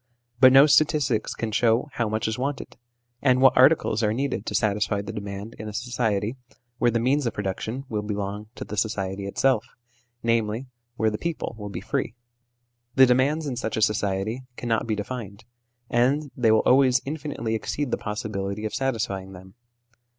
But no statistics can show how much is wanted, and what articles are needed to satisfy the demand in a society where the means of production will belong to the society itself, i.e. where the people will be free. The demands in such a society cannot be defined, and they will always infinitely exceed the possibility of satisfying them.